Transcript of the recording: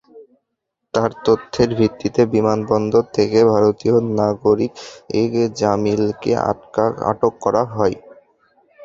তাঁর তথ্যের ভিত্তিতে বিমানবন্দর থেকে ভারতীয় নাগরিক জামিলকে আটক করা হয়।